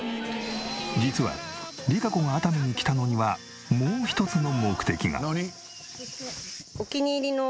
実はＲＩＫＡＣＯが熱海に来たのにはもう一つの目的が。